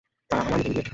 তারা আমার মতো ইডিয়েট।